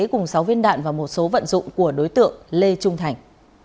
cùng sáu viên đạn và một số vận dụng của đối tượng lê trung thành